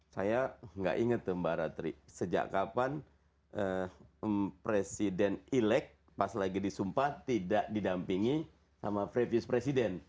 saya nggak inget tuh mbak ratri sejak kapan presiden elek pas lagi disumpah tidak didampingi sama preview presiden